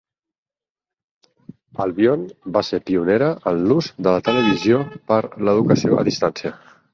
Albion va ser pionera en l'ús de la televisió per a l'educació a distància.